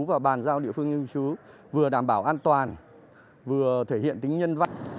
và bàn giao địa phương nơi cư trú vừa đảm bảo an toàn vừa thể hiện tính nhân văn